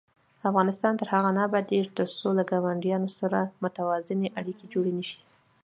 افغانستان تر هغو نه ابادیږي، ترڅو له ګاونډیانو سره متوازنې اړیکې جوړې نشي.